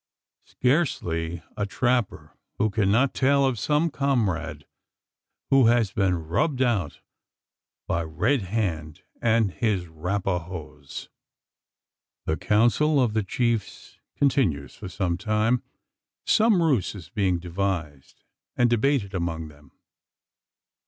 Scarcely a trapper who cannot tell of some comrade, who has been "rubbed" out by Red Hand and his "Rapahoes." The council of the chiefs continues for some time. Some ruse is being devised and debated among them.